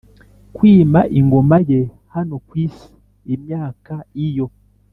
kwima ingoma ye hano ku isi imyaka iyo